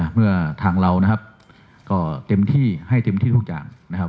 เมื่อทางเรานะครับก็เต็มที่ให้เต็มที่ทุกอย่างนะครับ